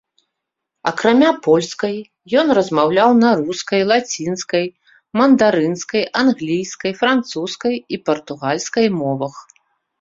Акрамя польскай, ён размаўляў на рускай, лацінскай, мандарынскай, англійскай, французскай і партугальскай мовах.